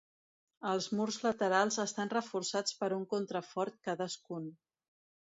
Els murs laterals estan reforçats per un contrafort cadascun.